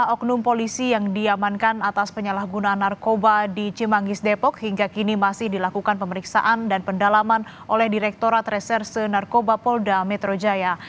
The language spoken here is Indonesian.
oknum polisi yang diamankan atas penyalahgunaan narkoba di cimanggis depok hingga kini masih dilakukan pemeriksaan dan pendalaman oleh direktorat reserse narkoba polda metro jaya